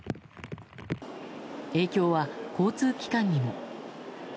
影響は、交通機関にも。